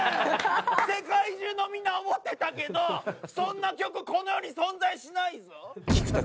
世界中のみんな思ってたけどそんな曲この世に存在しないぞ。